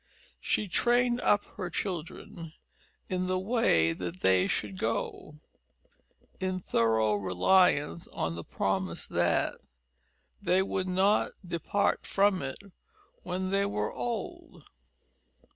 She trained up her children "in the way that they should go," in thorough reliance on the promise that "they would not depart from it when they were old."